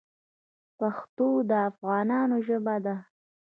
پښتو د افغانانو ژبه ده.